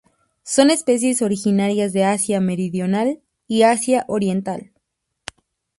Son especies originarias de Asia Meridional y Asia Oriental.